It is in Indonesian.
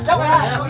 siap pak rw